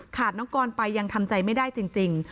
น้องกรไปยังทำใจไม่ได้จริง